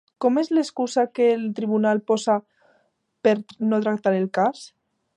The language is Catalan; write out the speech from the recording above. Com és l'excusa que el tribunal posa per no tractar el cas?